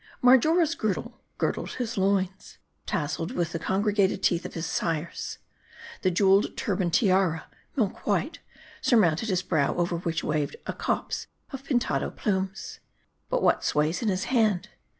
Marjora's girdle girdled his loins, tasseled with the con gregated teeth of his sires. A jeweled turban tiara, milk white, surmounted his brow, over which waved a copse of Pintado plumes. But what sways in his hand